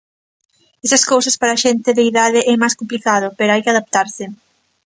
Esas cousas para a xente de idade é máis complicado, pero hai que adaptarse.